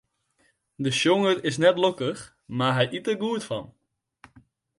De sjonger is net lokkich, mar hy yt der goed fan.